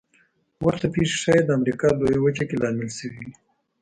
ورته پېښې ښايي د امریکا لویه وچه کې لامل شوې وي.